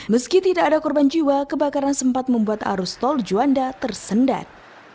meski tidak ada korban jiwa kebakaran sempat membuat arus tol juanda tersendat